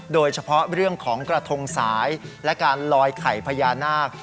โดยเฉพาะเรื่องของกระทงสายและการลอยไข่พญานาค